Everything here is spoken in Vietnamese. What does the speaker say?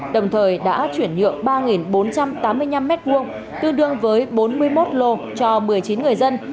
đồng thời đã chuyển nhượng ba bốn trăm tám mươi năm m hai tương đương với bốn mươi một lô cho một mươi chín người dân